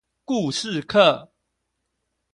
故事課